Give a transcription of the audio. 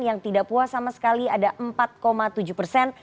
yang tidak puas sama sekali ada empat tujuh persen